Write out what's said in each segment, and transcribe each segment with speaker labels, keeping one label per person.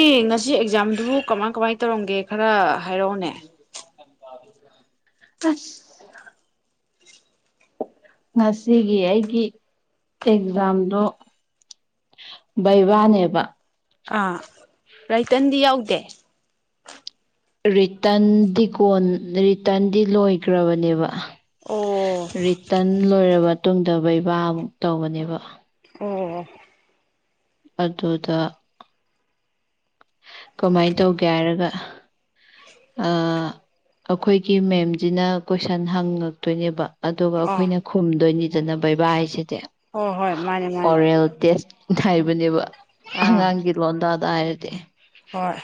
Speaker 1: ꯑꯦ ꯉꯁꯤ ꯑꯦꯛꯖꯥꯝꯗꯨ ꯀꯃꯥꯏ ꯀꯃꯥꯏ ꯇꯧꯔꯝꯒꯦ ꯈꯔ ꯍꯥꯏꯔꯛꯑꯣꯅꯦ
Speaker 2: ꯑꯁ ꯉꯁꯤꯒꯤ ꯑꯩꯒꯤ ꯑꯦꯛꯖꯥꯝꯗꯣ ꯕꯩꯕꯥꯅꯦꯕ
Speaker 1: ꯑꯥ ꯔꯥꯏꯇꯟꯗꯤ ꯌꯥꯎꯗꯦ
Speaker 2: ꯔꯤꯇꯟꯗꯤ ꯀꯣꯟ ꯔꯤꯇꯔꯟꯗꯤ ꯂꯣꯏꯈ꯭ꯔꯕꯅꯦꯕ
Speaker 1: ꯑꯣ
Speaker 2: ꯔꯤꯇꯔꯟ ꯂꯣꯏꯔꯔꯕ ꯇꯨꯡꯗꯕ ꯏꯕꯥꯃꯨꯛ ꯇꯧꯕꯅꯦꯕ
Speaker 1: ꯑꯣ
Speaker 2: ꯑꯗꯨꯗ ꯀꯃꯥꯏꯅ ꯇꯧꯒꯦ ꯍꯥꯏꯔꯒ ꯑꯩꯈꯣꯏꯒꯤ ꯃꯦꯝꯖꯤꯅ ꯀꯣꯏꯁꯟ ꯍꯪꯉꯛꯇꯣꯏꯅꯦꯕ ꯑꯗꯨꯒ
Speaker 1: ꯑꯥ
Speaker 2: ꯑꯩꯈꯣꯏꯅ ꯈꯨꯝꯗꯣꯏꯅꯤꯗꯅ ꯕꯩꯕꯥ ꯍꯥꯏꯁꯤꯗꯤ
Speaker 1: ꯍꯣꯏ ꯍꯣꯏ ꯃꯥꯅꯦ ꯃꯥꯅꯦ
Speaker 2: ꯑꯣꯔꯦꯜ ꯇꯦꯁ ꯊꯥꯏꯕꯅꯦꯕ
Speaker 1: ꯑꯥ
Speaker 2: ꯑꯉꯥꯡꯒꯤ ꯔꯣꯜꯗꯥꯗ ꯇꯦ
Speaker 1: ꯍꯣꯏ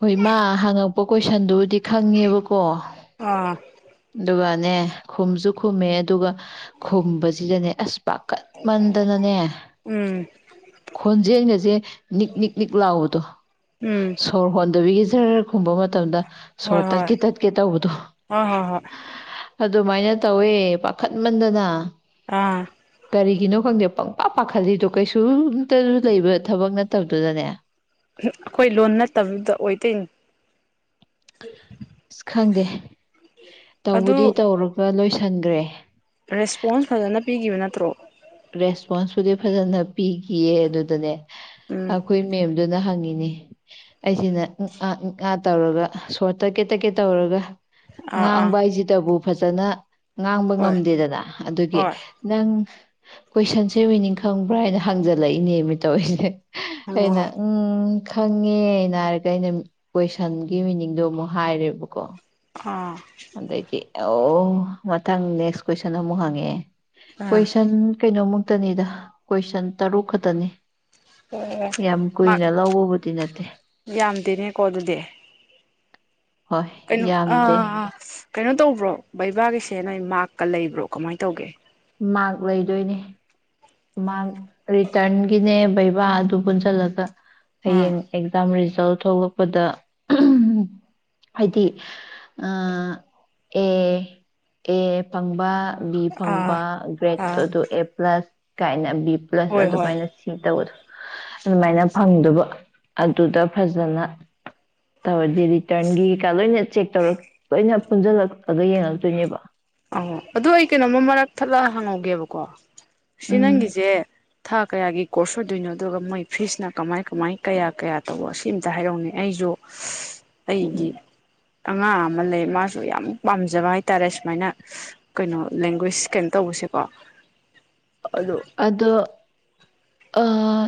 Speaker 2: ꯍꯣꯏ ꯃꯥ ꯍꯉ ꯑꯣꯣ ꯀꯣꯏꯁꯟꯗꯨꯕꯨꯗꯤ ꯈꯪꯉꯦꯕꯀꯣ
Speaker 1: ꯑꯥ
Speaker 2: ꯑꯗꯨꯒꯅꯦ ꯈꯨꯝꯁꯨ ꯈꯨꯝꯃꯦ ꯑꯗꯨꯒ ꯈꯨꯝꯕꯁꯤꯗꯅꯦ ꯑꯁ ꯄꯥꯀꯠꯃꯟꯗꯅꯅꯦ
Speaker 1: ꯎꯝ
Speaker 2: ꯈꯣꯟꯖꯦꯜꯒꯁꯦ ꯅꯤꯛ ꯅꯤꯛ ꯅꯤꯛ ꯂꯥꯎꯕꯗꯣ
Speaker 1: ꯎꯝ
Speaker 2: ꯁꯣꯔ ꯍꯣꯟꯗꯕꯤꯒꯤ ꯁꯍꯔ ꯈꯨꯝꯕ ꯃꯇꯝꯗ ꯁꯣ
Speaker 1: ꯍꯣꯏ
Speaker 2: ꯇꯔ
Speaker 1: ꯍꯣꯏ
Speaker 2: ꯀꯦ ꯇꯠ ꯀꯦ ꯇꯧꯕꯗꯨ
Speaker 1: ꯍꯣꯏ ꯍꯣꯏ ꯍꯣꯏ
Speaker 2: ꯑꯗꯨꯃꯥꯏꯅ ꯇꯧꯋꯦ ꯈꯠꯃꯟꯗꯅ
Speaker 1: ꯑꯥ
Speaker 2: ꯀꯔꯤꯒꯤꯅꯣ ꯈꯪꯗꯦ ꯄꯪꯄꯥ ꯄꯥꯈꯠꯂꯤꯗꯣ ꯀꯩꯁꯨꯝꯇꯁꯨ ꯂꯩꯕ ꯊꯕꯛ ꯅꯠꯇꯕꯗꯨꯗꯅꯦ
Speaker 1: ꯑꯩꯈꯣꯏ ꯂꯣꯟ ꯅꯠꯇꯕꯤꯗ ꯑꯣꯏꯗꯣꯏꯅꯤ
Speaker 2: ꯑꯁ ꯈꯪꯗꯦ
Speaker 1: ꯑꯗꯨ
Speaker 2: ꯇꯧꯕꯗꯤ ꯇꯧꯔꯒ ꯂꯣꯏꯁ ꯊꯪꯈ꯭ꯔꯦ
Speaker 1: ꯔꯦꯁꯄꯣꯟꯁ ꯐꯖꯅ ꯄꯤꯈꯤꯕ ꯅꯠꯇ꯭ꯔꯣ
Speaker 2: ꯔꯦꯁꯄꯣꯟꯁꯕꯨꯗꯤ ꯐꯖꯅ ꯄꯤꯈꯤꯌꯦ ꯑꯗꯨꯗꯅꯦ
Speaker 1: ꯎꯝ
Speaker 2: ꯑꯩꯈꯣꯏ ꯃꯦꯝꯗꯨꯅ ꯍꯪꯉ ꯅꯦ ꯑꯩꯁꯤꯅ ꯑꯥ ꯉꯥ ꯇꯧꯔꯒ ꯁꯣꯔꯠ ꯇꯀꯦꯠ ꯇꯔꯀꯦꯠ ꯇꯧꯔꯒ
Speaker 1: ꯑꯥ
Speaker 2: ꯉꯥꯡ
Speaker 1: ꯑꯥ
Speaker 2: ꯏꯖꯤ ꯇꯕꯨ ꯐꯖꯅ ꯉꯥꯡꯕ
Speaker 1: ꯍꯣꯏ
Speaker 2: ꯉꯝꯗꯦꯗꯅ ꯑꯗꯨꯒꯤ
Speaker 1: ꯍꯣꯏ
Speaker 2: ꯅꯪ ꯀꯣꯏꯁꯟꯁꯦ ꯃꯤꯅꯤꯡ ꯈꯪꯕ꯭ꯔꯥ ꯍꯥꯏꯅ ꯍꯪꯖꯜꯂꯛꯏꯅꯦ ꯇꯧꯔꯤꯁꯦ
Speaker 1: ꯍꯪꯉꯣ
Speaker 2: ꯑꯅ
Speaker 1: ꯍꯣꯏ
Speaker 2: ꯎꯝ ꯈꯪꯉꯦꯅ ꯍꯥꯏꯔꯒ ꯑꯩꯅ ꯀꯣꯏꯁꯟꯒꯤ ꯃꯤꯅꯤꯡꯗꯣ ꯑꯃꯨꯛ ꯍꯥꯏꯔꯦꯕꯀꯣ
Speaker 1: ꯑꯥ
Speaker 2: ꯑꯗꯒꯤ ꯑꯣ ꯃꯊꯪ ꯅꯦꯛꯁ ꯀꯣꯏꯁꯟ ꯑꯃꯨꯛ ꯍꯪꯉꯛꯑꯦ
Speaker 1: ꯑꯥ
Speaker 2: ꯀꯣꯏꯁꯟ ꯀꯩꯅꯣꯃꯨꯛ ꯈꯛꯇꯅꯤꯗ ꯀꯣꯏꯁꯟ ꯇꯔꯨꯛ ꯈꯛꯇꯅꯤ
Speaker 1: ꯑꯣ
Speaker 2: ꯌꯥꯝ ꯀꯨꯏꯅ ꯂꯧꯕꯕꯨꯗꯤ ꯅꯠꯇꯦ
Speaker 1: ꯍꯣꯏ ꯌꯥꯝꯗꯦꯅꯦꯀꯣ ꯑꯗꯨꯗꯤ
Speaker 2: ꯍꯣꯏ
Speaker 1: ꯀꯩꯅꯣ
Speaker 2: ꯌꯥꯝꯗꯦ
Speaker 1: ꯑꯥ ꯀꯩꯅꯣ ꯇꯧꯕ꯭ꯔꯣ ꯕꯩꯕꯥꯒꯤꯁꯦ ꯅꯣꯏ ꯃꯥꯛꯀ ꯂꯩꯕ꯭ꯔꯣ ꯀꯃꯥꯏꯅ ꯇꯧꯒꯦ
Speaker 2: ꯃꯥꯥꯛ ꯂꯩꯗꯣꯏꯅꯦ ꯃꯥ ꯔꯤꯇꯔꯟꯒꯤꯅꯦ ꯕꯩꯕꯥ ꯑꯗꯨ ꯄꯨꯟꯁꯤꯜꯂꯒ
Speaker 1: ꯎꯝ
Speaker 2: ꯍꯌꯦꯡ ꯑꯦꯛꯖꯝꯔꯤꯁ ꯇꯧ ꯊꯣꯛꯂꯛꯄꯗ ꯍꯥꯏꯗꯤ ꯑꯦ ꯑꯦ ꯐꯪꯕ
Speaker 1: ꯑꯥ
Speaker 2: ꯐꯪꯕ ꯒ꯭ꯔꯦꯠ
Speaker 1: ꯑꯥ
Speaker 2: ꯑꯗꯨ ꯑꯦ ꯄ꯭ꯂꯁ ꯀꯥꯏꯅꯕꯤ ꯄ꯭ꯂꯁ
Speaker 1: ꯍꯣꯏ ꯍꯣꯏ
Speaker 2: ꯑꯗꯨꯃꯥꯏꯅ ꯁꯤ ꯇꯧ ꯑꯗꯨꯃꯥꯏꯅ ꯐꯪꯗꯕ ꯑꯗꯨꯗ ꯐꯖꯅ ꯇꯧꯋ ꯍꯥꯏꯗꯤ ꯔꯤꯇ꯭ꯔꯟꯒꯤ ꯀꯩꯀꯥ ꯂꯣꯏꯅ ꯆꯦꯛ ꯇꯧꯔ ꯂꯣꯏꯅ ꯄꯨꯟꯁꯤꯜꯂꯛꯂꯒ ꯌꯦꯡꯉꯛꯇꯣꯏꯅꯦꯕ
Speaker 1: ꯑ ꯑꯗꯨ ꯑꯩ ꯀꯩꯅꯣꯃ ꯃꯔꯛ ꯊꯠꯂ ꯍꯪꯍꯧꯒꯦꯕꯀꯣ ꯁꯤ
Speaker 2: ꯎꯝ
Speaker 1: ꯅꯪꯒꯤꯁꯦ ꯊꯥ ꯀꯌꯥꯒꯤ ꯀꯣꯔꯁ ꯑꯣꯏꯗꯣꯏꯅꯣ ꯑꯗꯨꯒ ꯃꯣꯏ ꯐꯤꯁꯅ ꯀꯃꯥꯏ ꯀꯃꯥꯏ ꯀꯌꯥ ꯀꯌꯥ ꯇꯧꯕ ꯁꯤ ꯑꯇ ꯍꯥꯏꯔꯛꯅꯤ ꯑꯩꯁꯨ ꯑꯩꯒꯤ ꯑꯉꯥꯡ ꯑꯃ ꯂꯩ ꯃꯥꯁꯨ ꯌꯥꯝ ꯄꯥꯝꯖꯕ ꯍꯥꯏꯇꯥꯔꯦ ꯁꯨꯃꯥꯏꯅ ꯀꯩꯅꯣ ꯂꯦꯡꯒ꯭ꯋꯦꯁ ꯀꯩꯅꯣ ꯇꯧꯕꯁꯦꯀꯣ ꯑꯗꯣ
Speaker 2: ꯑꯗꯣ ꯑꯥ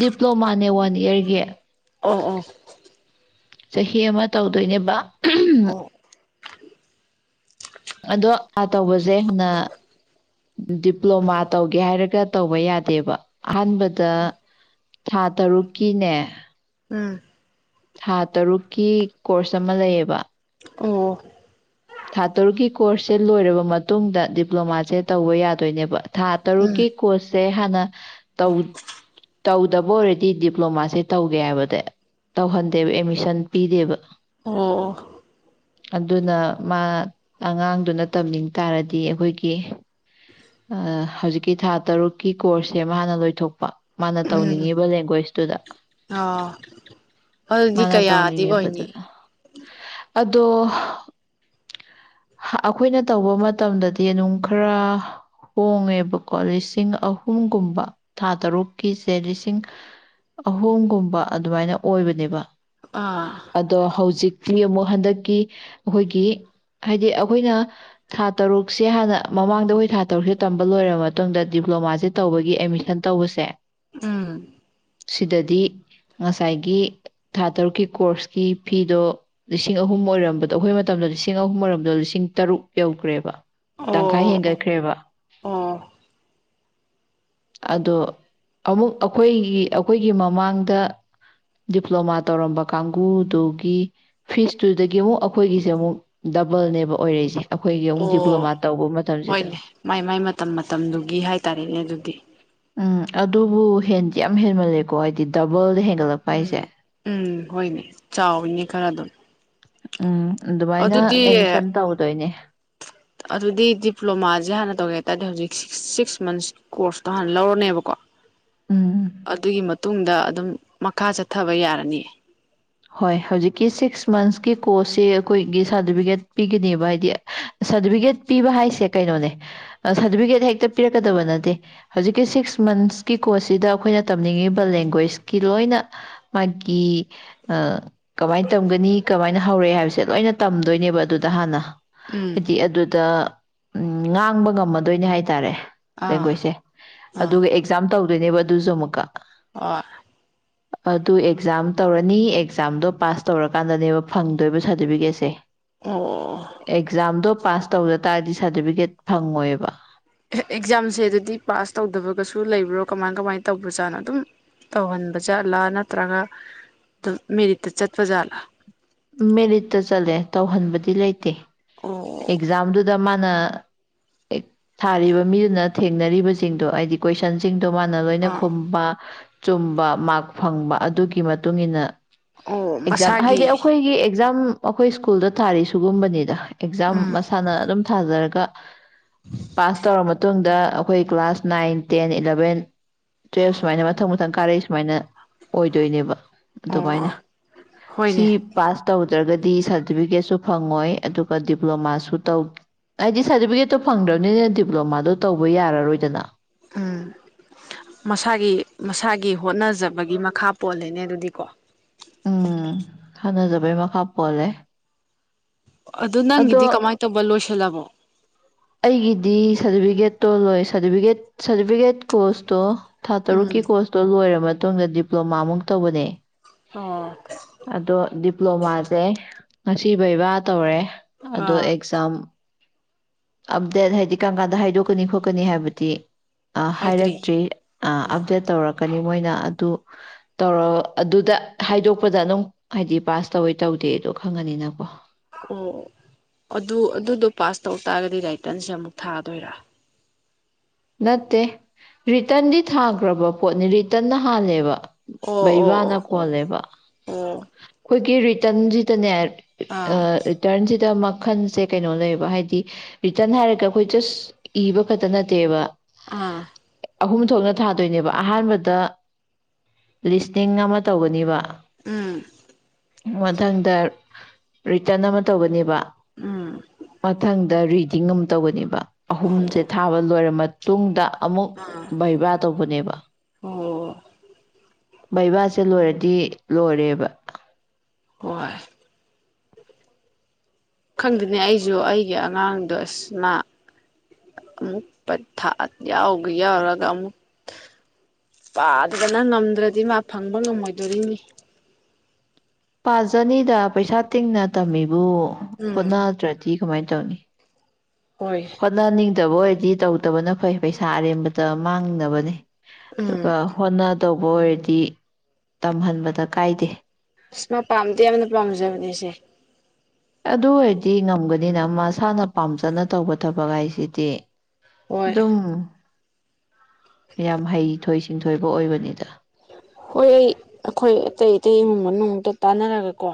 Speaker 2: ꯗꯤꯄ꯭ꯂꯣꯃꯅꯦꯦ ꯋꯥꯅꯤ ꯌꯦꯔꯒꯦ
Speaker 1: ꯑꯥ ꯑꯥ
Speaker 2: ꯆꯍꯤ ꯑꯃ ꯇꯧꯗꯣꯏꯅꯦꯕ
Speaker 1: ꯑꯣ
Speaker 2: ꯑꯗꯣ ꯑ ꯇꯧꯕꯁ ꯖꯦ ꯍꯟꯅ ꯗꯤꯄ꯭ꯂꯣꯃꯥ ꯇꯧꯒꯦ ꯍꯥꯏꯔꯒ ꯇꯧꯕ ꯌꯥꯗꯦꯕ ꯑꯍꯥꯟꯕꯗ ꯗ ꯊꯥ ꯇꯔꯨꯛꯀꯤꯅꯦ
Speaker 1: ꯎꯝ
Speaker 2: ꯊꯥ ꯇꯔꯨꯛꯀꯤ ꯀꯣꯔꯁ ꯑꯃ ꯂꯩꯌꯦꯕ
Speaker 1: ꯑꯣ
Speaker 2: ꯊꯥ ꯇꯔꯨꯛꯀꯤ ꯀꯣꯔꯁꯁꯦ ꯂꯣꯏꯔꯕ ꯃꯇꯨꯡꯗ ꯗꯤꯄ꯭ꯂꯣꯃꯥꯁꯦ ꯇꯧꯕ ꯌꯥꯗꯣꯏꯅꯦꯕ ꯊꯥ ꯇꯔ
Speaker 1: ꯎꯝ
Speaker 2: ꯀ ꯀꯣꯏꯁꯦ ꯍꯥꯟꯅꯧ ꯇꯧꯗꯕ ꯑꯣꯏꯔꯗꯤ ꯗꯤꯄ꯭ꯂꯣꯃꯥꯁꯦ ꯇꯧꯒꯦ ꯍꯥꯏꯕꯗ ꯇꯧꯍꯟꯗꯦꯕ ꯑꯦꯗꯃꯤꯁꯟ ꯄꯤꯗꯦꯕ
Speaker 1: ꯑꯣ
Speaker 2: ꯑꯗꯨꯅ ꯃꯥ ꯑꯉꯥꯡꯗꯨꯅ ꯇꯝꯅꯤꯡ ꯇꯥꯔꯗꯤ ꯑꯩꯈꯣꯏꯒꯤ ꯍꯧꯖꯤꯛꯀꯤ ꯊꯥ ꯇꯔꯨꯛꯀꯤ ꯀꯣꯔꯁꯁꯦ ꯃꯥꯥꯟꯅ ꯂꯣꯏꯊꯣꯛꯄ ꯃꯥꯅ
Speaker 1: ꯎꯝ
Speaker 2: ꯇꯧꯅꯤꯡꯉꯤꯕ ꯂꯦꯡꯒ꯭ꯋꯦꯁꯇꯨꯗ
Speaker 1: ꯑꯥ ꯑꯗꯨꯗꯤ
Speaker 2: ꯃꯥꯅ
Speaker 1: ꯀꯌꯥꯗꯤ ꯑꯣꯏꯅꯤ
Speaker 2: ꯇꯧꯅꯤꯡꯉꯤꯕꯗꯨꯗ ꯑꯗꯨꯣ ꯑꯩꯈꯣꯏꯅ ꯇꯧꯕ ꯃꯇꯝꯗꯗꯤ ꯑꯗꯨꯝ ꯈꯔ ꯍꯣꯡꯉꯦꯕꯀꯣ ꯂꯤꯁꯤꯡ ꯑꯍꯨꯝꯒꯨꯝꯕ ꯊꯥ ꯇꯔꯨꯛꯀꯤꯁꯦ ꯂꯤꯁꯤꯡ ꯑꯍꯨꯝꯒꯨꯝꯕ ꯑꯗꯨꯃꯥꯏꯅ ꯑꯣꯏꯕꯅꯦꯕ
Speaker 1: ꯑꯥ
Speaker 2: ꯑꯗꯣ ꯍꯧꯖꯤꯛ ꯃꯤ ꯑꯃꯨꯛ ꯍꯟꯗꯛꯀꯤ ꯑꯩꯈꯣꯏꯒꯤ ꯀ ꯍꯥꯏꯗꯤ ꯑꯩꯈꯣꯏꯅ ꯊꯥ ꯇꯔꯨꯛꯁꯦ ꯍꯥꯟꯅ ꯃꯃꯥꯡꯗ ꯑꯩꯈꯣꯏ ꯊꯥ ꯇꯔꯨꯛꯁꯦ ꯇꯝꯕ ꯂꯣꯏꯔꯕ ꯃꯇꯨꯡꯗ ꯗꯤꯄ꯭ꯂꯣꯃꯥꯁꯦ ꯇꯧꯕꯒꯤ ꯑꯦꯗꯃꯤꯁꯟ ꯇꯧꯕꯁꯦ
Speaker 1: ꯎꯝ
Speaker 2: ꯁꯤꯗꯗꯤ ꯉꯁꯥꯏꯒꯤ ꯊꯥ ꯇꯔꯨꯛꯀꯤ ꯀꯣꯔꯁꯀꯤ ꯐꯤꯗꯣ ꯂꯤꯁꯤꯡ ꯑꯍꯨꯝ ꯑꯣꯏꯔꯝꯕꯗꯣ ꯑꯩꯈꯣꯏ ꯃꯇꯝꯗ ꯂꯤꯁꯤꯡ ꯑꯍꯨꯝ ꯃꯔꯔꯣꯝꯗ ꯂꯤꯁꯤꯡ ꯇꯔꯨꯛ ꯌꯧꯈ꯭ꯔꯦꯕ ꯇꯪꯈꯥꯏ
Speaker 1: ꯑꯣ
Speaker 2: ꯍꯦꯟꯒꯠꯈ꯭ꯔꯦꯕ
Speaker 1: ꯑꯣ
Speaker 2: ꯑꯗꯣ ꯑꯃꯨꯛ ꯑꯩꯈꯣꯏꯒꯤ ꯑꯩꯈꯣꯏꯒꯤ ꯃꯃꯥꯡꯗ ꯗꯤꯄ꯭ꯂꯣꯃꯥ ꯇꯧꯔꯝꯕ ꯀꯥꯡꯕꯨꯗꯨꯒꯤ ꯐꯤꯁꯇꯨꯗꯒꯤ ꯑꯃꯨꯛ ꯑꯩꯈꯣꯏꯒꯤ ꯁꯤꯦ ꯑꯃꯨꯛ ꯗꯕꯜꯅꯦꯕ ꯑꯣꯏꯔꯛꯏꯁꯦ ꯑꯩꯈꯣꯏꯒꯤ ꯑꯃꯨꯛ
Speaker 1: ꯑꯣ
Speaker 2: ꯗꯤꯄ꯭ꯂꯣꯃꯥ ꯇꯧꯕ ꯃꯇꯝꯁꯤꯗ
Speaker 1: ꯍꯣꯏꯅꯦ ꯃꯥꯏ ꯃꯥꯏ ꯃꯇꯝ ꯃꯇꯝꯗꯨꯒꯤ ꯍꯥꯏꯇꯥꯔꯦꯅꯦ ꯑꯗꯨꯗꯤ
Speaker 2: ꯎꯝ ꯑꯗꯨꯕꯨ ꯍꯦꯟꯗꯤ ꯌꯥꯝ ꯍꯦꯟꯃꯜꯂꯦꯀꯣ ꯍꯥꯏꯗꯤ ꯗꯕꯜꯗ ꯍ
Speaker 1: ꯎꯝ ꯎꯝ ꯍꯣꯏꯅꯦ ꯆꯥꯎꯋꯅꯦ ꯈꯔ ꯑꯗꯨꯝ
Speaker 2: ꯎꯝ ꯑꯗꯨꯃꯥꯏꯅ
Speaker 1: ꯑꯗꯨꯗꯤ
Speaker 2: ꯑꯦꯠꯃꯤꯁꯟ ꯇꯧꯗꯣꯏꯅꯦ
Speaker 1: ꯑꯗꯨꯗꯤ ꯗꯤꯄ꯭ꯂꯣꯃꯥꯁꯦ ꯍꯥꯟꯅ ꯇꯧꯒꯦ ꯍꯥꯏ ꯇꯔꯗꯤ ꯍꯧꯖꯤꯛ ꯁꯤꯛꯁ ꯃꯟꯁꯀꯤ ꯀꯣꯔꯁꯇꯣ ꯍꯥꯟꯅ ꯂꯧꯔꯅꯦꯕꯀꯣ
Speaker 2: ꯎꯝ
Speaker 1: ꯑꯗꯨꯒꯤ ꯃꯇꯨꯡꯗ ꯑꯗꯨꯝ ꯃꯈꯥ ꯆꯠꯊꯕ ꯌꯥꯔꯅꯤꯌꯦ
Speaker 2: ꯍꯣꯏ ꯍꯧꯖꯤꯛꯀꯤ ꯁꯤꯛꯁ ꯃꯟꯁꯀꯤ ꯀꯣꯔꯁꯁꯦ ꯑꯩꯈꯣꯏꯒꯤ ꯁꯥꯔꯇꯤꯐꯤꯀꯦꯠ ꯄꯤꯒꯅꯦꯕ ꯍꯥꯏꯗꯤ ꯁꯥꯔꯇꯤꯐꯤꯀꯦꯠ ꯄꯤꯕ ꯍꯥꯏꯁꯦ ꯀꯩꯅꯣꯅꯦ ꯁꯥꯔꯇꯤꯐꯤꯀꯦꯠ ꯍꯦꯛꯇ ꯄꯤꯔꯛꯀꯗꯕ ꯅꯠꯇꯦ ꯍꯧꯖꯤꯛꯀꯤ ꯁꯤꯛꯁ ꯃꯟꯁꯀꯤ ꯀꯣꯔꯁꯁꯤꯗ ꯑꯩꯈꯣꯏꯅ ꯇꯝꯅꯤꯡꯉꯤꯕ ꯂꯦꯡꯒ꯭ꯋꯦꯁꯀꯤ ꯂꯣꯏꯅ ꯃꯥꯒꯤ ꯑꯥ ꯀꯃꯥꯏꯅ ꯇꯝꯒꯅꯤ ꯀꯃꯥꯏꯅ ꯍꯧꯔꯛꯑꯦ ꯍꯥꯏꯕꯁꯦ ꯂꯣꯏꯅ ꯇꯝꯗꯣꯏꯅꯦꯕ ꯑꯗꯨꯗ ꯍꯥꯟꯅ
Speaker 1: ꯎꯝ
Speaker 2: ꯍꯥꯏꯗꯤ ꯑꯗꯨꯗ ꯎꯝ ꯉꯥꯡꯕ ꯉꯝꯃꯗꯣꯏꯅꯦ ꯍꯥꯏꯇꯥꯔꯦ
Speaker 1: ꯑꯥ
Speaker 2: ꯂꯦꯡꯒ꯭ꯋꯦꯖꯁꯦ
Speaker 1: ꯑꯥ
Speaker 2: ꯑꯗꯨꯒ ꯑꯦꯛꯖꯥꯝ ꯇꯧ ꯅꯦꯕꯨꯁꯨꯃꯨꯀꯥ
Speaker 1: ꯑ
Speaker 2: ꯑꯗꯨ ꯑꯦꯛꯖꯥꯝ ꯇꯧꯔꯅꯤ ꯑꯦꯛꯖꯥꯝꯗꯣ ꯄꯥꯁ ꯇꯧꯔꯀꯥꯟꯗꯅꯦꯕ ꯐꯪꯗꯣꯏꯕ ꯁꯥꯔꯇꯤꯐꯤꯀꯦꯠꯁꯦ
Speaker 1: ꯑꯣ
Speaker 2: ꯑꯦꯒꯖꯝꯗ ꯄꯥꯁ ꯇꯧꯗ ꯇꯥꯔꯗꯤ ꯁꯥꯔꯇꯤꯐꯤꯀꯦꯠ ꯐꯪꯉꯣꯏꯕ
Speaker 1: ꯑꯦꯛꯖꯥꯝꯁꯦ ꯑꯗꯨꯗꯤ ꯄꯥꯁ ꯇꯧꯗꯕꯒꯁꯨ ꯂꯩꯕ꯭ꯔꯣ ꯀꯃꯥꯏ ꯀꯃꯥꯏꯅ ꯇꯧꯕ꯭ꯔꯖꯥꯠꯅꯣ ꯑꯗꯨꯝ ꯇꯧꯍꯟꯕ ꯖꯥꯠꯂꯥ ꯅꯠꯇ꯭ꯔꯒ ꯑꯗꯨ ꯃꯦꯔꯤꯠꯇ ꯆꯠꯄ ꯖꯥꯠꯂꯥ
Speaker 2: ꯃꯦꯔꯤꯠꯇ ꯆꯠꯂꯦ ꯇꯧꯍꯟꯕꯗꯤ ꯂꯩꯇꯦ
Speaker 1: ꯑꯣ
Speaker 2: ꯑꯦꯛꯖꯝꯗꯨꯗꯃ ꯁꯥꯔꯤꯕ ꯃꯤꯗꯨꯅ ꯊꯦꯡꯅꯔꯤꯕꯁꯤꯡꯗꯣ ꯍꯥꯏꯗꯤ ꯀꯣꯏꯁꯟꯁꯤꯡ ꯑꯗꯨ ꯃꯥꯅ ꯂꯣꯏꯅ
Speaker 1: ꯑꯥ
Speaker 2: ꯈꯨꯝꯕ ꯆꯨꯝꯕ ꯃꯥꯛ ꯐꯪꯕ ꯑꯗꯨꯒꯤ ꯃꯇꯨꯡ ꯏꯟꯅ
Speaker 1: ꯑꯣ
Speaker 2: ꯑꯦꯛꯖꯥꯝ
Speaker 1: ꯃꯁꯥꯒꯤ
Speaker 2: ꯍꯥꯏꯗꯤ ꯑꯩꯈꯣꯏꯒꯤ ꯑꯦꯛꯖꯥꯝ ꯑꯩꯈꯣꯏ ꯁ꯭ꯀꯨꯜꯗ ꯊꯥꯔꯤ ꯁꯤꯨꯒꯨꯝꯕꯅꯤꯗ ꯑꯦꯛꯖꯥꯝ
Speaker 1: ꯎꯝ
Speaker 2: ꯃꯁꯥꯟꯅ ꯑꯗꯨꯝ ꯊꯥꯖꯔꯒ ꯄꯥꯁ ꯇꯧꯔꯕ ꯃꯇꯨꯡ ꯗ ꯑꯩꯈꯣꯏ class nine ten eleven twelve ꯁꯨꯃꯥꯏꯅ ꯃꯊꯧ ꯃꯊ ꯁꯪ ꯀꯥꯔꯦ ꯁꯨꯃꯥꯏꯅ ꯑꯣꯏꯗꯣꯏꯅꯦꯕ
Speaker 1: ꯑꯣ
Speaker 2: ꯑꯗꯨꯃꯥꯏꯅ
Speaker 1: ꯑꯣ
Speaker 2: ꯁꯤ
Speaker 1: ꯍꯣꯏꯅꯦ
Speaker 2: ꯇꯧꯗ꯭ꯔꯒꯗꯤ ꯁꯥꯔꯇꯤꯐꯤꯀꯦꯠꯁꯨ ꯐꯪꯉꯣꯏ ꯑꯗꯨꯒ ꯗꯤꯄ꯭ꯂꯣꯃꯥꯁꯨ ꯇꯧ ꯍꯥꯏꯗꯤ ꯁꯥꯔꯇꯤꯐꯤꯀꯦꯠꯇꯣ ꯐꯪꯗ꯭ꯔꯕꯅꯤꯅ ꯗꯤꯄ꯭ꯂꯣꯃꯥꯗꯣ ꯇꯧꯕ ꯌꯥꯔꯔꯣꯏꯗꯅ
Speaker 1: ꯎꯝ ꯃꯁꯥꯒꯤ ꯃꯁꯥꯒꯤ ꯍꯣꯠꯅꯖꯕꯒꯤ ꯃꯈꯥ ꯄꯣꯜꯂꯤꯅꯦ ꯑꯗꯨꯗꯤꯀꯣ
Speaker 2: ꯎꯝ ꯍꯅꯖꯕ ꯃꯈꯥ ꯄꯣꯂꯦ
Speaker 1: ꯑꯗꯨ ꯅꯪꯒꯤꯗꯤ ꯀꯃꯥꯏꯅ ꯇꯧꯕ ꯂꯣꯏꯁꯤꯜꯂꯕꯣ
Speaker 2: ꯑꯩꯒꯤꯗꯤ ꯁꯥꯔꯇꯤꯐꯤꯀꯦꯠꯇꯣ ꯂꯣꯏꯦ ꯁꯥꯔꯇꯤꯐꯤꯀꯦꯠ ꯀꯣꯔꯁꯇꯣ ꯊꯥ
Speaker 1: ꯎꯝ
Speaker 2: ꯇꯔꯨꯛꯀꯤ ꯀꯣꯔꯁꯇꯣ ꯂꯣꯏꯔꯕ ꯃꯇꯨꯡꯗ ꯗꯤꯄ꯭ꯂꯣꯃꯥꯃꯨꯛ ꯇꯧꯕꯅꯦ
Speaker 1: ꯑꯣ
Speaker 2: ꯑꯗꯣ ꯗꯤꯄ꯭ꯂꯣꯃꯥꯁꯦ ꯉꯁꯤꯕꯩꯕꯥ ꯇꯧꯔꯦ ꯑꯗꯣ
Speaker 1: ꯑꯥ
Speaker 2: ꯑꯦꯛꯖꯝ ꯑꯞꯗꯦꯠ ꯍꯥꯏꯗꯤ ꯀꯔꯝ ꯀꯥꯟꯗ ꯍꯥꯏꯗꯣꯛꯀꯅꯤ ꯈꯣꯠꯀꯅꯤ ꯍꯥꯏꯕꯗꯤ
Speaker 1: ꯍꯥꯏꯗ꯭ꯔꯤ
Speaker 2: ꯍꯥꯏꯔꯛꯇ꯭ꯔꯤ
Speaker 1: ꯑꯥ
Speaker 2: ꯑꯞꯗꯦꯠ ꯇꯧꯔꯛ ꯂꯀꯅꯤ ꯃꯣꯏꯅ ꯑꯗꯨ ꯇꯧꯔ ꯑꯗꯨꯗ ꯍꯥꯏꯗꯣꯛꯄꯗ ꯑꯗꯨꯝ ꯍꯥꯏꯗꯤ ꯄꯥꯁ ꯇꯧꯋꯦ ꯇꯧꯗꯦꯗꯣ ꯈꯪꯉꯅꯤꯅꯀꯣ
Speaker 1: ꯑꯣ ꯑꯗꯨ ꯑꯗꯨꯗꯣ ꯄꯥꯁ ꯇꯧ ꯇꯥꯔꯒꯗꯤ ꯔꯥꯏꯇꯔꯟꯁꯦ ꯑꯃꯨꯛ ꯊꯥꯗꯣꯏꯔꯥ
Speaker 2: ꯅꯠꯇꯦ ꯔꯤꯇꯟꯗꯤ ꯊꯥꯈ꯭ꯔꯕ ꯄꯣꯠꯅꯤ ꯔꯤꯇꯟꯅ ꯍꯥꯜꯂꯦꯕ
Speaker 1: ꯑꯣ ꯑꯣ ꯑꯣ
Speaker 2: ꯕꯩꯕꯥꯅ
Speaker 1: ꯑꯣ
Speaker 2: ꯀꯣꯜꯂꯦꯕ
Speaker 1: ꯑꯣ
Speaker 2: ꯑꯩꯈꯣꯏꯒꯤ ꯇꯟꯖ ꯇꯅ ꯍꯥꯏ
Speaker 1: ꯑꯥ
Speaker 2: ꯑ ꯔꯤꯇꯔꯟꯁꯤꯗ ꯃꯈꯟꯁꯦ ꯀꯩꯅꯣ ꯂꯩꯕ ꯍꯥꯏꯗꯤ ꯔꯤꯇꯟ ꯍꯥꯏꯔꯒ ꯑꯩꯈꯣꯏ ꯁ ꯏꯕ ꯈ ꯗꯦꯕꯥ
Speaker 1: ꯑꯥ
Speaker 2: ꯑꯍꯨꯝ ꯊꯣꯛꯅ ꯊꯥꯗꯣꯏꯅꯦꯕ ꯑꯍꯥꯟꯕꯗ ꯂꯤꯁꯅꯤꯡ ꯑꯃ ꯇꯧꯒꯅꯦꯕ
Speaker 1: ꯎꯝ
Speaker 2: ꯃꯊꯪꯗ ꯔꯤꯇꯟ ꯑꯃ ꯇꯧꯒꯅꯦꯕ
Speaker 1: ꯎꯝ
Speaker 2: ꯃꯊꯪꯗꯔꯤ ꯇꯤꯡ ꯑꯃ ꯇꯧꯕꯅꯦꯕ ꯑꯍꯨꯝꯁꯦ
Speaker 1: ꯑꯣ
Speaker 2: ꯊꯥꯕ ꯂꯣꯏꯔ ꯃꯇꯨꯡꯗ ꯑꯃꯨꯛ
Speaker 1: ꯑꯥ
Speaker 2: ꯕꯩꯕꯥ ꯇꯧꯕꯅꯦꯕ
Speaker 1: ꯑꯣ
Speaker 2: ꯕꯩꯕꯥꯁꯦ ꯂꯣꯏꯔꯗꯤ ꯂꯣꯏꯔꯦꯕ
Speaker 1: ꯍꯣꯏ ꯈꯪꯗꯦꯅꯦ ꯑꯩꯁꯨ ꯑꯩꯒꯤ ꯑꯉꯥꯡꯗꯣ ꯑꯁ ꯃꯥ ꯑꯃꯨꯛ ꯄꯊꯥ ꯌꯥꯎꯕ ꯌꯥꯎꯔꯒ ꯑꯃꯨꯛ ꯄꯥꯗꯗꯅ ꯉꯝꯗ꯭ꯔꯗꯤ ꯃꯥ ꯐꯪꯕ ꯉꯝꯃꯣꯏꯗꯣꯔꯤꯅꯤ
Speaker 2: ꯄꯥꯖꯅꯤꯗ ꯄꯩꯁꯥ ꯇꯤꯡꯅ ꯇꯝꯃꯤ ꯕꯨ
Speaker 1: ꯎꯝ
Speaker 2: ꯍꯣꯠꯅꯗ꯭ꯔꯗꯤ ꯀꯃꯥꯏꯅ ꯇꯧꯅꯤ
Speaker 1: ꯍꯣꯏ
Speaker 2: ꯍꯣꯠꯅꯅꯤꯡ ꯐꯇꯕ ꯑꯣꯏꯔꯗꯤ ꯇꯧꯗꯕꯅ ꯐꯩ ꯄꯩꯁꯥ ꯑꯔꯦꯝꯕꯗ ꯃꯥꯡꯅꯕꯅꯤ
Speaker 1: ꯎꯝ
Speaker 2: ꯑꯗꯨꯒ ꯍꯣꯠꯅ ꯇꯧꯕ ꯑꯣꯏꯔꯗꯤ ꯇꯝꯍꯟꯕꯗ ꯀꯥꯏꯗꯦ
Speaker 1: ꯑꯁ ꯃꯥ ꯄꯥꯝꯗꯤ ꯌꯥꯝꯅ ꯄꯥꯝꯖꯕꯅꯤꯁꯦ
Speaker 2: ꯑꯗꯨ ꯑꯣꯏꯔꯗꯤ ꯉꯝꯒꯅꯤꯅ ꯃꯁꯥꯅ ꯄꯥꯝꯖꯅ ꯇꯧꯕ ꯊꯕꯛ ꯍꯥꯏꯁꯤꯗꯤ
Speaker 1: ꯍꯣꯏ
Speaker 2: ꯑꯗꯨꯝ ꯌꯥꯝ ꯍꯩꯊꯣꯏ ꯁꯤꯡꯊꯣꯏꯕ ꯑꯣꯏꯕꯅꯤꯗ
Speaker 1: ꯍꯣꯏ ꯑꯩ ꯑꯩꯈꯣꯏ ꯑꯇꯩ ꯑꯇꯩ ꯏꯃꯨꯡ ꯃꯅꯨꯡ ꯑꯝꯇ ꯇꯥꯟꯅꯔꯒꯀꯣ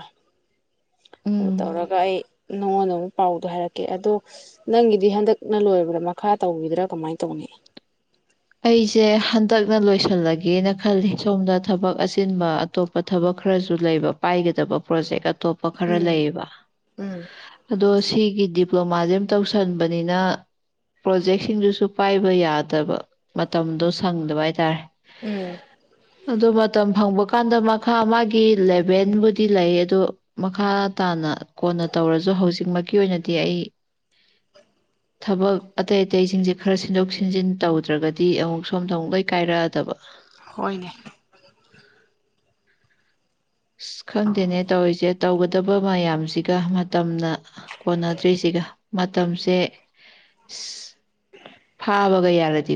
Speaker 1: ꯑꯗꯨ
Speaker 2: ꯎꯝ
Speaker 1: ꯇꯧꯔꯒ ꯑꯩ ꯅꯉꯣꯟꯗ ꯑꯃꯨꯛ ꯄꯥꯎꯗꯣ ꯍꯥꯏꯔꯛꯀꯦ ꯑꯗꯣ ꯅꯪꯒꯤꯗꯤ ꯍꯟꯗꯛꯅ ꯂꯣꯏꯔꯕ꯭ꯔꯥ ꯃꯈꯥ ꯇꯧꯒꯤꯗ꯭ꯔꯥ ꯀꯃꯥꯏꯅ ꯇꯧꯅꯤ
Speaker 2: ꯑꯩꯁꯦ ꯍꯟꯗꯛꯅ ꯂꯣꯏꯁꯤꯜꯂꯒꯦꯅ ꯈꯜꯂꯤ ꯁꯣꯝꯗ ꯊꯕꯛ ꯑꯆꯤꯟꯕ ꯑꯇꯣꯞꯄ ꯊꯕꯛ ꯈꯔꯁꯨ ꯂꯩꯕ ꯄꯥꯏꯒꯗꯕ ꯄ꯭ꯔꯣꯖꯦꯛ ꯑꯇꯣꯞꯄ ꯈꯔ
Speaker 1: ꯎꯝ
Speaker 2: ꯂꯩꯌꯦꯕ
Speaker 1: ꯎꯝ
Speaker 2: ꯑꯗꯣ ꯁꯤꯒꯤꯗꯤ ꯗꯤꯄ꯭ꯂꯣꯃꯥꯁꯦ ꯑꯃ ꯇꯧꯁꯟꯕꯅꯤꯅ ꯄ꯭ꯔꯣꯖꯦꯛꯁꯤꯡꯗꯨꯁꯨ ꯄꯥꯏꯕ ꯌꯥꯗꯕ ꯃꯇꯝꯗꯣ ꯁꯪꯗꯕ ꯍꯥꯏꯇꯥꯔꯦ
Speaker 1: ꯎꯝ
Speaker 2: ꯑꯗꯣ ꯃꯇꯝ ꯐꯪꯕ ꯀꯥꯟꯗ ꯃꯈꯥ ꯃꯥꯒꯤ ꯂꯦꯚꯦꯟꯕꯨꯗꯤ ꯂꯩ ꯑꯗꯨꯣ ꯃꯈꯥ ꯇꯥꯅ ꯀꯣꯟꯅ ꯇꯧꯔꯁꯨ ꯍꯧꯖꯤꯛꯃꯛꯀꯤ ꯑꯣꯏꯅꯗꯤ ꯑꯩ ꯊꯕꯛ ꯑꯇꯩ ꯑꯇꯩꯁꯤꯡꯁꯦ ꯈꯔ ꯁꯤꯟꯗꯣꯛ ꯁꯤꯟꯖꯤꯟ ꯇꯧꯗ꯭ꯔꯒ ꯗꯤ ꯑꯃꯨꯛ ꯁꯣꯝꯗ ꯑꯃꯨꯛ ꯂꯣꯏ ꯀꯥꯏꯔꯛꯑꯗꯕ
Speaker 1: ꯍꯣꯏꯅꯦ
Speaker 2: [inaudible] ꯑꯁ ꯈꯪꯗꯦꯅꯦ ꯇꯧꯔꯤꯁꯦ ꯇꯧꯒꯗꯕ ꯃꯌꯥꯝꯁꯤꯒ ꯃꯇꯝꯅ ꯀꯣꯟꯅꯗ꯭ꯔꯤꯁꯤꯒ ꯃꯇꯝꯁꯦ ꯐꯥꯕꯒ ꯌꯥꯔꯗꯤ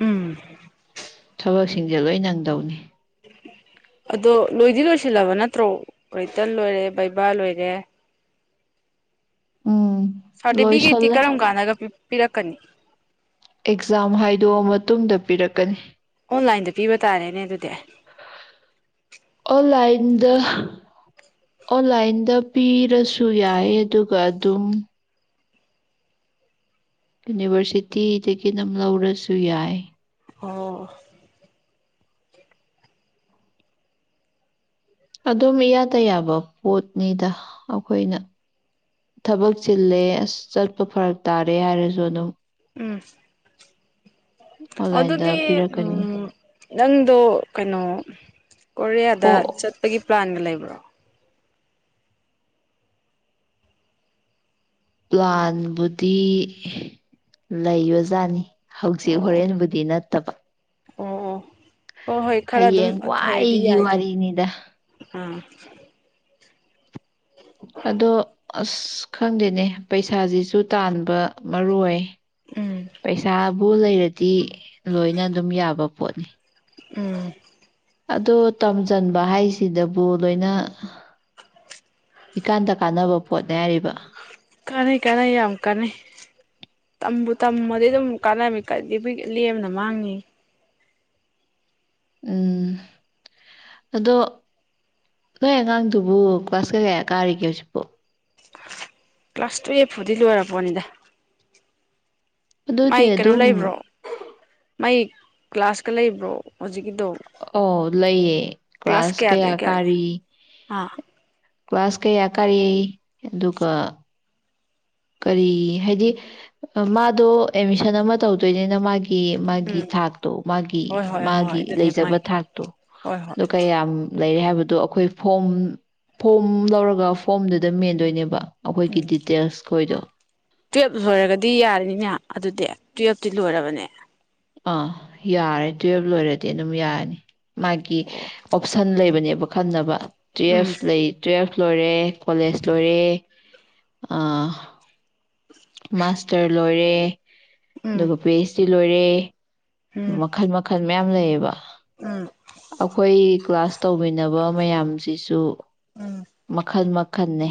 Speaker 1: ꯎꯝ
Speaker 2: ꯊꯕꯛꯁꯤꯡꯁꯦ ꯂꯣꯏꯅꯪꯗꯧꯅꯤ
Speaker 1: ꯑꯗꯣ ꯂꯣꯏꯗꯤ ꯂꯣꯏꯁꯤꯜꯂꯕ ꯅꯠꯇ꯭ꯔꯣ ꯔꯤꯇꯟ ꯂꯣꯏꯔꯦ ꯕꯩꯕꯥ ꯂꯣꯏꯔꯦ
Speaker 2: ꯎꯝ
Speaker 1: ꯁꯥꯔꯇꯤ ꯐꯤꯀꯦꯠꯇ
Speaker 2: ꯂꯣꯏꯁꯜꯂꯦ
Speaker 1: ꯀꯔꯝ ꯀꯥꯟꯗꯒꯄꯤ ꯄꯤꯔꯛꯀꯅꯤ
Speaker 2: ꯑꯦꯛꯖꯥꯝ ꯍꯥꯏꯗꯣꯛꯑ ꯃꯇꯨꯡꯗ ꯄꯤꯔꯛꯀꯅꯤ
Speaker 1: ꯑꯣꯟꯂꯥꯏꯟꯗ ꯄꯤꯕ ꯇꯥꯔꯦꯅꯦ ꯑꯗꯨꯗꯤ ꯑꯦ
Speaker 2: ꯑꯣꯟꯂꯥꯏꯟꯗ ꯑꯣꯟꯂꯥꯏꯟꯗ ꯄꯤꯔꯁꯨ ꯌꯥꯏ ꯑꯗꯨꯒ ꯑꯗꯨꯝ ꯌꯨꯅꯤꯚꯔꯁꯤꯇꯤꯗꯒꯤ ꯑꯗꯨꯝ ꯂꯧꯔꯁꯨ ꯌꯥꯏ
Speaker 1: ꯑꯣ
Speaker 2: ꯑꯗꯨꯝ ꯌꯥꯌꯥꯗ ꯌꯥꯕ ꯄꯣꯠꯅꯤꯗ ꯑꯩꯈꯣꯏꯅ ꯊꯕꯛ ꯆꯤꯜꯂꯦ ꯆꯠꯄ ꯐꯔꯛ ꯇꯥꯔꯦ ꯍꯥꯏꯔꯁꯨ ꯑꯗꯨꯝ
Speaker 1: ꯎꯝ
Speaker 2: ꯑꯣꯟꯂꯥꯏꯟꯗ
Speaker 1: ꯑꯗꯨꯗꯤ
Speaker 2: ꯄꯤꯔꯛꯀꯅꯤ
Speaker 1: ꯎꯝ ꯅꯪꯗꯣ ꯀꯩꯅꯣ ꯀꯣꯔꯤꯌꯥꯗ
Speaker 2: ꯑꯣ
Speaker 1: ꯆꯠꯄꯒꯤ ꯄ꯭ꯂꯥꯟ ꯂꯩꯕ꯭ꯔꯣ
Speaker 2: ꯄ꯭ꯂꯥꯟꯕꯨꯗꯤ ꯂꯩꯕꯖꯥꯠꯅꯤ ꯍꯧꯖꯤꯛ
Speaker 1: ꯑꯣ
Speaker 2: ꯍꯣꯔꯦꯟꯕꯨꯗꯤ ꯅꯠꯇꯦ ꯇꯕ
Speaker 1: ꯑꯣ ꯑꯣ ꯍꯣꯏ ꯍꯣꯏ ꯈꯔ ꯑꯗꯨꯝ
Speaker 2: ꯍꯌꯦꯡ
Speaker 1: ꯍꯩꯔꯗꯤ
Speaker 2: ꯋꯥꯏꯒꯤ
Speaker 1: ꯌꯥꯏꯗ
Speaker 2: ꯋꯥꯔꯤꯅꯤꯗ
Speaker 1: ꯑꯥ
Speaker 2: ꯑꯗꯣ ꯑꯁ ꯈꯪꯗꯦꯅꯦ ꯄꯩꯁꯥꯁꯤꯁꯨ ꯇꯥꯟꯕ ꯃꯔꯨ ꯑꯣꯏ
Speaker 1: ꯎꯝ
Speaker 2: ꯄꯩꯁꯥ ꯕꯨ ꯂꯩꯔꯗꯤ ꯂꯣꯏꯅ ꯑꯗꯨꯝ ꯌꯥꯕ ꯄꯣꯠꯅꯤ
Speaker 1: ꯎꯝ
Speaker 2: ꯑꯗꯣ ꯇꯝꯁꯤꯟꯕ ꯍꯥꯏꯁꯤꯗꯕꯨ ꯂꯣꯏꯅ ꯏꯀꯥꯟꯗ ꯀꯥꯟꯅꯕ ꯄꯣꯠꯅꯦ ꯍꯥꯏꯔꯤꯕ
Speaker 1: ꯀꯥꯟꯅꯩ ꯀꯥꯟꯅꯩ ꯌꯥꯝ ꯀꯥꯟꯅꯩ ꯇꯝꯕꯨ ꯇꯝꯃꯗꯤ ꯑꯗꯨꯝ ꯀꯥꯟꯅ ꯂꯦꯝꯅ ꯃꯥꯡꯉꯤ
Speaker 2: ꯎꯝ ꯑꯗꯣ ꯅꯣꯏ ꯑꯉꯥꯡꯗꯨꯕꯨ ꯀ꯭ꯂꯥꯁ ꯀꯩ ꯀꯌꯥ ꯀꯥꯔꯤꯒꯦ ꯍꯧꯖꯤꯛꯄꯥꯎ
Speaker 1: ꯀ꯭ꯂꯥꯁ ꯇꯨꯋꯦꯐꯄꯨꯗꯤ ꯂꯣꯏꯔꯥ ꯄꯣꯠꯅꯤꯗ ꯃꯥꯏ
Speaker 2: ꯑꯗꯨꯗꯤ
Speaker 1: ꯀꯩꯅꯣ
Speaker 2: ꯑꯗꯨꯝ
Speaker 1: ꯂꯩꯕ꯭ꯔꯣ ꯃꯥꯏ ꯀ꯭ꯂꯥꯁꯀ ꯂꯩꯕ꯭ꯔꯣ ꯍꯧꯖꯤꯛ
Speaker 2: ꯑꯣ ꯂꯩꯌꯦ ꯀ꯭ꯂꯥꯁ ꯀꯌꯥ ꯀꯥꯔꯤ
Speaker 1: ꯑꯥ
Speaker 2: ꯀ꯭ꯂꯥꯁ ꯀꯌꯥ ꯀꯥꯔꯤ ꯑꯗꯨꯒ ꯀꯔꯤ ꯍꯥꯏꯗꯤ ꯃꯥꯗꯣ ꯑꯦꯠꯃꯤꯁꯟ ꯑꯃ ꯇꯧꯗꯣꯏꯅꯤꯅ ꯃꯥꯒꯤ ꯒꯤ ꯃꯥꯒꯤ
Speaker 1: ꯎꯝ
Speaker 2: ꯊꯥꯛꯇꯣ ꯃꯥꯒꯤ
Speaker 1: ꯍꯣꯏ ꯍꯣꯏ
Speaker 2: ꯃꯥꯒꯤ
Speaker 1: ꯍꯣꯏ ꯑꯗꯨꯅꯦ
Speaker 2: ꯂꯩꯖꯕ
Speaker 1: ꯃꯥꯒꯤ
Speaker 2: ꯊꯥꯛꯇꯣ
Speaker 1: ꯍꯣꯏ ꯍꯣꯏ
Speaker 2: ꯑꯗꯨ ꯀꯌꯥꯝ ꯂꯩꯔꯦ ꯍꯥꯏꯕꯗꯣ ꯑꯩꯈꯣꯏ ꯐꯣꯝ ꯐꯣꯝ ꯂꯧꯔꯒ ꯐꯣꯝꯗꯨꯗ ꯃꯦꯟꯗꯣꯏꯅꯦꯕ ꯑꯩꯈꯣꯏꯒꯤ
Speaker 1: ꯎꯝ
Speaker 2: ꯗꯤꯇꯦꯜꯁ ꯑꯣꯏꯗꯣꯛ
Speaker 1: ꯇꯨꯌꯦꯜꯞ ꯂꯣꯏꯔꯒꯗꯤ ꯌꯥꯔꯅꯤꯅꯦ ꯑꯗꯨꯗꯤ ꯇꯨꯌꯦꯜꯐꯇꯤ ꯂꯣꯏꯔꯕꯅꯦ
Speaker 2: ꯑꯥ ꯌꯥꯔꯦ ꯇꯨꯌꯦꯜꯕ ꯂꯣꯏꯔꯗꯤ ꯑꯗꯨꯝ ꯌꯥꯔꯅꯤ ꯃꯥꯒꯤ
Speaker 1: ꯑꯣ
Speaker 2: ꯑꯣꯞꯁꯟ ꯂꯩꯕꯅꯦꯕ ꯈꯟꯅꯕ
Speaker 1: ꯎꯝ
Speaker 2: ꯇꯨꯌꯦꯐ ꯂꯩ ꯇꯨꯌꯦꯐ꯫ ꯂꯣꯏꯔꯦ ꯀꯣꯂꯦꯖ ꯂꯣꯏꯔꯦ꯫ ꯃꯥꯥꯁꯇꯔ ꯂꯣꯏ ꯔꯦ꯫
Speaker 1: ꯎꯝ
Speaker 2: ꯑꯗꯨꯒ ꯄꯤꯍꯩꯁ ꯂꯣꯏꯔꯦ꯫
Speaker 1: ꯎꯝ
Speaker 2: ꯃꯈꯜ ꯃꯈꯜ꯫ ꯃꯌꯥꯝ ꯂꯩꯌꯦꯕ꯫
Speaker 1: ꯎꯝ
Speaker 2: ꯑꯩꯈꯣꯏ ꯀ꯭ꯂꯥꯁ꯫ ꯇꯧꯃꯤꯟꯅꯕ ꯃꯌꯥꯝꯁꯤꯁꯨ꯫
Speaker 1: ꯎꯝ
Speaker 2: ꯃꯈꯜ ꯃ ꯈꯟꯅꯦ꯫